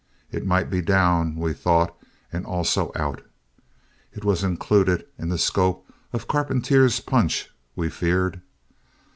It might be down, we thought, and also out. It was included in the scope of Carpentier's punch, we feared.